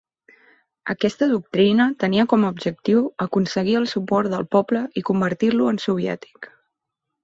Aquesta doctrina tenia com a objectiu aconseguir el suport del poble i convertir-lo en "soviètic".